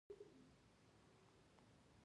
غوا د خوراکي توکو یوه مهمه سرچینه ده.